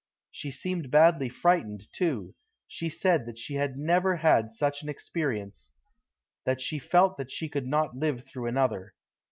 She seemed badly frightened, too. She said that she had never had such an experience: that she felt that she could not live through another.